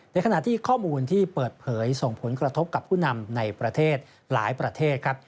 ในขณะที่ข้อมูลที่เปิดเผยส่งผลกระทบกับผู้นำในประเทศหลายประเทศครับ